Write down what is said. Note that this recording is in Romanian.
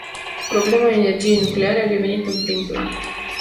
Problema energiei nucleare a revenit în prim plan.